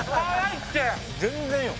全然よ